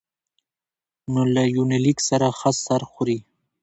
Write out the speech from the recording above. نو له يونليک سره ښه سر خوري